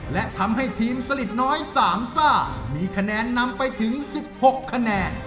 และทำให้ทีมสลิดน้อย๓ซ่ามีคะแนนนำไปถึง๑๖คะแนน